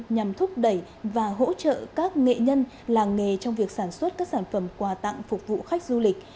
nhằm thúc đẩy và hỗ trợ các nghệ nhân làng nghề trong việc sản xuất các sản phẩm quà tặng phục vụ khách du lịch